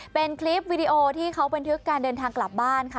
เป็นคลิปวีดีโอที่เขาบันทึกการเดินทางกลับบ้านค่ะ